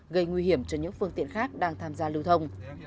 gây nguy hiểm cho những phương tiện khác đang tham gia lưu thông